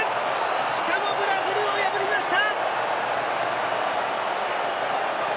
しかも、ブラジルを破りました！